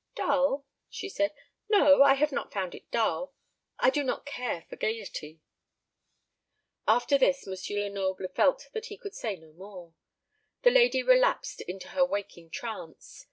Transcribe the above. "Dull?" she said. "No, I have not found it dull. I do not care for gaiety." After this M. Lenoble felt that he could say no more. The lady relapsed into her waking trance.